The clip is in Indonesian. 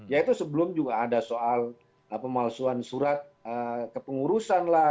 yaitu sebelum juga ada soal pemalsuan surat kepengurusan lah